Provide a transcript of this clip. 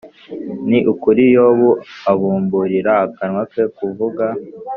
Ni ukuri Yobu abumburira akanwa ke kuvuga